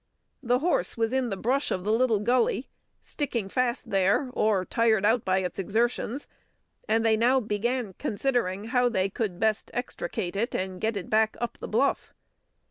The horse was in the brush of the little gully, sticking fast there, or tired out by its exertions; and they now began considering how they could best extricate it and get it back up the bluff.